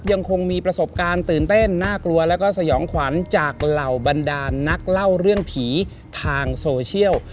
ยังคงมีประสบการณ์ตื่นเต้นน่ากลัวแล้วก็สยองขวัญจากเหล่าบรรดานนักเล่าเรื่องผีทางโซเชียล